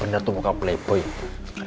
bener bener tuh muka plepoin